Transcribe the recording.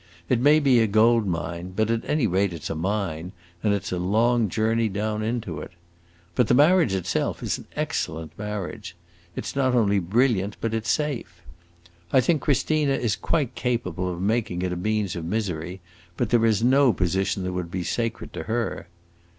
It may be a gold mine, but at any rate it 's a mine, and it 's a long journey down into it. But the marriage in itself is an excellent marriage. It 's not only brilliant, but it 's safe. I think Christina is quite capable of making it a means of misery; but there is no position that would be sacred to her.